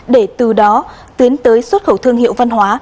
để từ đó tiến tới xuất khẩu thương hiệu văn hóa